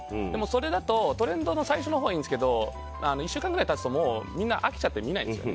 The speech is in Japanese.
それだと、トレンドの最初のほうはいいんですけど１週間ぐらい経つとみんな飽きちゃって見ないんですよ。